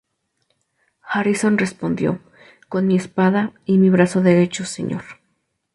Harrison respondió "con mi espada, y mi brazo derecho, señor.